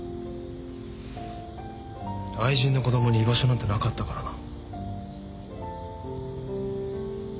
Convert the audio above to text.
愛人の子供に居場所なんてなかったからな。